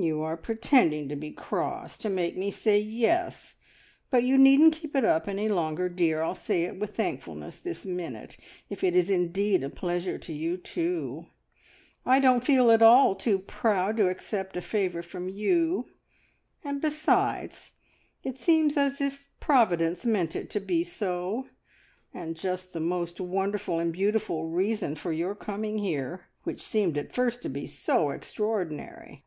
"You are pretending to be cross, to make me say `Yes,' but you needn't keep it up any longer, dear. I'll say it with thankfulness this minute, if it is indeed a pleasure to you too. I don't feel at all too proud to accept a favour from you, and besides, it seems as if Providence meant it to be so, and just the most wonderful and beautiful reason for your coming here, which seemed at first so extraordinary.